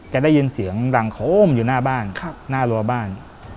ได้ยินเสียงดังโค้มอยู่หน้าบ้านหน้ารัวบ้าน